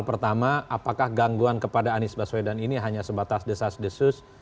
pertama apakah gangguan kepada anies baswedan ini hanya sebatas desas desus